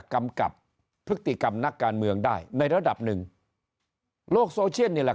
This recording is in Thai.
กำกับพฤติกรรมนักการเมืองได้ในระดับหนึ่งโลกโซเชียลนี่แหละ